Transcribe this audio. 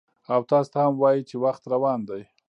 او تاسو ته هم وایم چې وخت روان دی،